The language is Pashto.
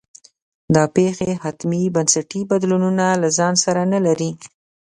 دا پېښې حتمي بنسټي بدلونونه له ځان سره نه لري.